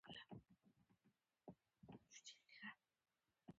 د پیرود ځای کې ښه بوی و.